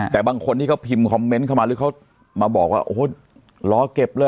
แต่บางคนที่เขาพิมพ์คอมเมนต์เข้ามาหรือเขามาบอกว่าโอ้โหรอเก็บเลย